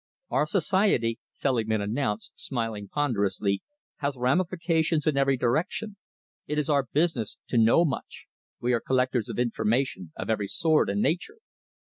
"Our society," Selingman announced, smiling ponderously, "has ramifications in every direction. It is our business to know much. We are collectors of information of every sort and nature."